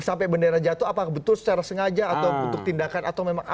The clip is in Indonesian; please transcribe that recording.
sampai bendera jatuh apakah betul secara sengaja atau untuk tindakan atau memang